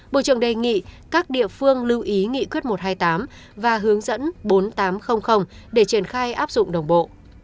bộ trưởng đề nghị các địa phương lưu ý nghị quyết một trăm hai mươi tám và hướng dẫn bốn nghìn tám trăm linh để triển khai áp dụng đồng bộ